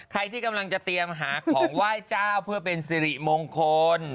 ใครที่กำลังจะเตรียมหาของไหว้เจ้าเพื่อเป็นสิริมงคล